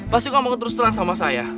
pasti kamu terus terang sama saya